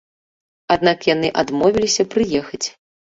Аднак яны адмовіліся прыехаць.